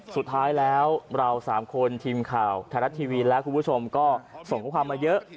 สุดท้ายแล้วเราสามคนทีมข่าวไทยรัฐทีวีและคุณผู้ชมก็ส่งข้อความมาเยอะ